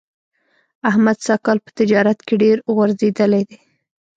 احمد سږ کال په تجارت کې ډېر غورځېدلی دی.